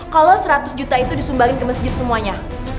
kalau seratus juta itu disumbangin ke masjid semuanya